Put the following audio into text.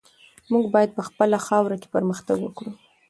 موږ باید په خپله خاوره کې پرمختګ وکړو.